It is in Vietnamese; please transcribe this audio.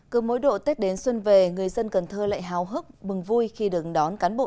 cứ mỗi độ tết đến xuân về người dân cần thơ lại hào hức mừng vui khi được đón cán bộ